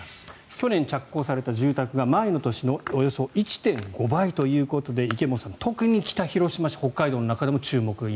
去年、着工された住宅が前の年のおよそ１．５倍ということで池本さん、特に北広島市北海道の中でも注目。